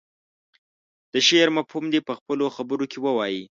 د شعر مفهوم دې په خپلو خبرو کې ووايي.